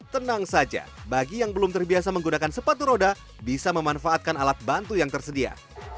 tenang saja bagi yang belum terbiasa menggunakan sepatu roda bisa memanfaatkan alat bantu yang tersedia